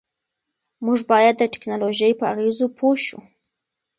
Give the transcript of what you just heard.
موږ باید د ټیکنالوژۍ په اغېزو پوه شو.